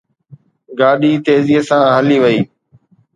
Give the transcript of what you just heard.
گاڏي تيزيءَ سان هلي وئي